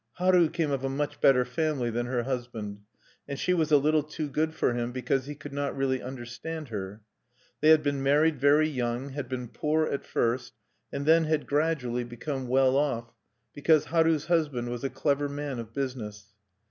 Haru came of a much better family than her husband; and she was a little too good for him, because he could not really understand her. They had been married very young, had been poor at first, and then had gradually become well off, because Haru's husband was a clever man of business.